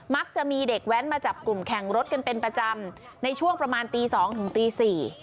จะมีเด็กแว้นมาจับกลุ่มแข่งรถกันเป็นประจำในช่วงประมาณตีสองถึงตีสี่